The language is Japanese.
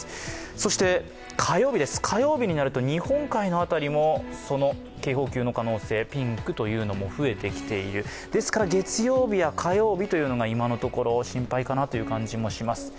そして火曜日です火曜日になると日本海の辺りも警報級の可能性ピンクというのも増えてきている、ですから、月曜日や火曜日が今のところ心配かなという感じもします。